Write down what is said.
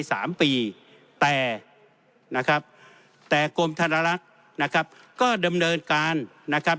สามปีแต่นะครับแต่กรมธนลักษณ์นะครับก็ดำเนินการนะครับ